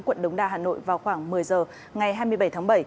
quận đống đa hà nội vào khoảng một mươi giờ ngày hai mươi bảy tháng bảy